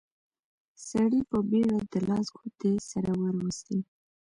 سړي په بيړه د لاس ګوتې سره وروستې.